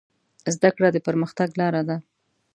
زده کړه د پرمختګ لاره ده.